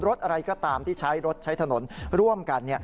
รถอะไรก็ตามที่ใช้รถใช้ถนนร่วมกัน